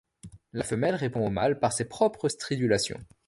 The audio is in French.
La femelle répond au mâle par ses propres stridulations.